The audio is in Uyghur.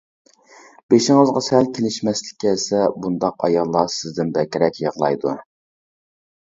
بېشىڭىزغا سەل كېلىشمەسلىك كەلسە، بۇنداق ئاياللار سىزدىن بەكرەك يىغلايدۇ.